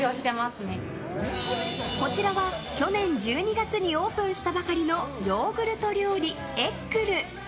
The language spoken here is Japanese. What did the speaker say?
こちらは昨年１２月にオープンしたばかりのヨーグルト料理、エッグル。